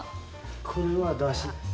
これは出汁です